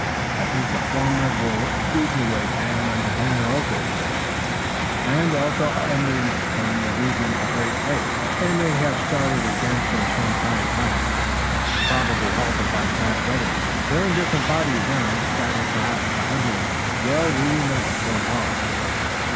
I think a formidable Ojibway band under Tandakora is there, and also other Indians from the region of the Great Lakes. They may have started against us some time back, but were probably halted by the bad weather. They're in different bodies now, scattered perhaps for hunting, but they'll reunite before long."